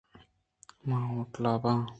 من هوٹل ءَ باں